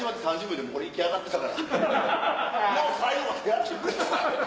よう最後までやってくれたな。